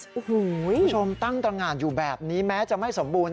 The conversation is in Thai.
คุณผู้ชมตั้งตรงานอยู่แบบนี้แม้จะไม่สมบูรณ